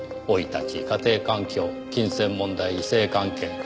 生い立ち家庭環境金銭問題異性関係。